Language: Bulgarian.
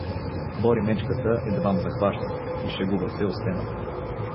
Боримечката едвам захваща — изшегува се Остенът.